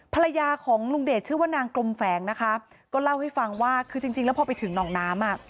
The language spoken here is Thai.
ภรรยาของลุงเดชชื่อว่านางกลมแฝงนะคะก็เล่าให้ฟังว่าคือจริงจริงแล้วพอไปถึงหนองน้ำอ่ะ